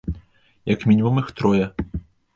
Як мінімум іх трое.